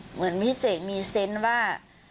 เหมือนพี่เสกมีเซนต์ว่า